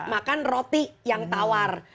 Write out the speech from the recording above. makan roti yang tawar